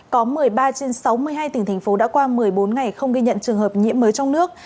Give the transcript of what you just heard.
có một mươi ba trên sáu mươi hai tỉnh thành phố đã qua một mươi bốn ngày không ghi nhận trường hợp nhiễm mới trong nước